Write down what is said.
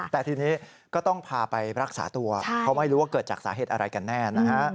แต่ทีนี้ก็ต้องพาไปรักษาตัวเพราะไม่รู้ว่าเกิดจากสาเหตุอะไรกันแน่นะฮะ